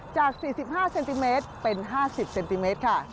จาก๔๕เซนติเมตรเป็น๕๐เซนติเมตรค่ะ